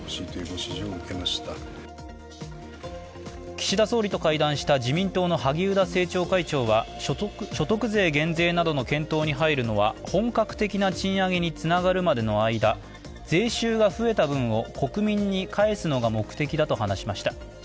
岸田総理と会談した自民党の萩生田政調会長は所得税減税などの検討に入るのは本格的な賃上げにつながるまでの間、税収が増えた分を国民に返すのが目的だと話しました。